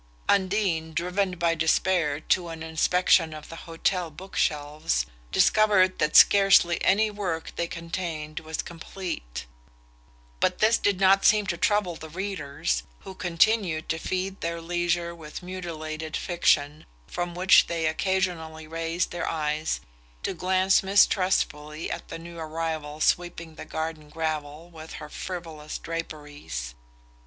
Undine, driven by despair to an inspection of the hotel book shelves, discovered that scarcely any work they contained was complete; but this did not seem to trouble the readers, who continued to feed their leisure with mutilated fiction, from which they occasionally raised their eyes to glance mistrustfully at the new arrival sweeping the garden gravel with her frivolous draperies.